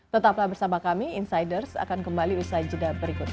tetaplah bersama kami insiders akan kembali usai jeda berikut ini